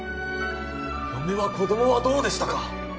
嫁は子供はどうでしたか？